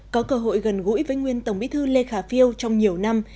có cơ hội gần gũi với nguyên tổng bí thư lê khả phiêu trong nhiều năm